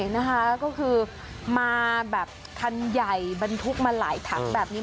นะคะก็คือมาแบบคันใหญ่บรรทุกมาหลายถังแบบนี้